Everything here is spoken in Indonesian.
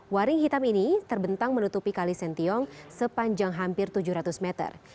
waring hitam ini terbentang menutupi kali sentiong sepanjang hampir tujuh ratus meter